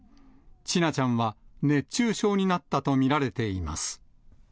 千奈ちゃんは熱中症になったと見られています。